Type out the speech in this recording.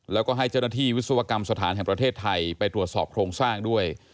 แล้วก็ให้เจ้าหน้าที่วิศวกรรมสถานแห่งประเทศไทยไปตรวจสอบโครงสร้างด้วย